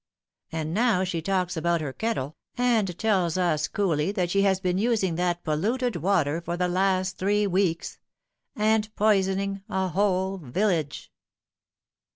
And now she talks about her kettle, and tells us coolly that she has been using that polluted water for the last three weeks and poisoning a whole village."